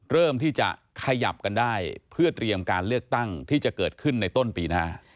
เริ่มที่จะขยับกันได้เพื่อเตรียมการเลือกตั้งที่จะเกิดขึ้นในต้นปีหน้า